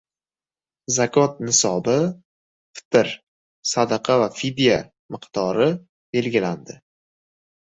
Zakot nisobi, fitr sadaqa va fidya miqdori belgilandi